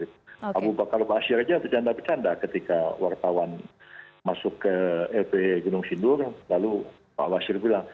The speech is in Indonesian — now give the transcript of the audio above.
kalau pak basyir saja berjanda bercanda ketika wartawan masuk ke lp gunung sindur lalu pak basyir bilang